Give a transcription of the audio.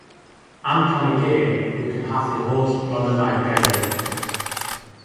Amcan y gêm yw cymhathu holl ronynnau'r gelyn.